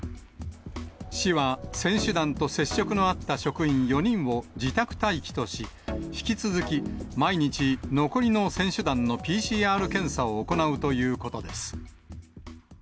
市は、選手団と接触のあった職員４人を自宅待機とし、引き続き毎日、残りの選手団のＰＣＲ検査を行うということです。